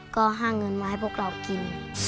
ก็หาเงินมาให้พวกเรากิน